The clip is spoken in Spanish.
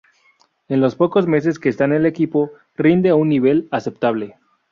En los pocos meses que está en el equipo, rinde a un nivel aceptable.